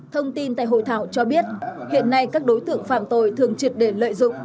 thông tin tại hội thảo cho biết hiện nay các đối tượng phạm tội thường triệt để lợi dụng